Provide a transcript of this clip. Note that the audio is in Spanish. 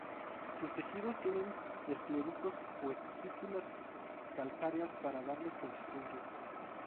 Sus tejidos tienen escleritos, o espículas, calcáreas, para darles consistencia.